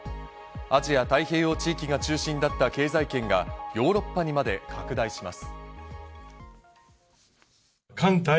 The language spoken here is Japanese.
アジア太平洋地域が中心だった経済圏がヨーロッパにまで拡大します。